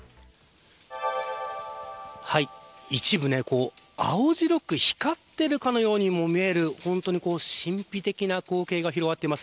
一部、青白く光っているかのようにも見える本当に神秘的な光景が広がっています。